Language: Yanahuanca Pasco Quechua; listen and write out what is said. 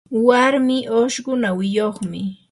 warmii ushqu nawiyuqmi.